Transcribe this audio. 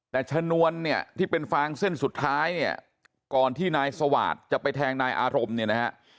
แต่ชนวนที่เป็นฟางเส้นสุดท้ายก่อนที่นายสวาทจะไปแทงนายอารมณ์